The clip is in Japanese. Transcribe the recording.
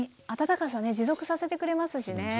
温かさね持続させてくれますしね。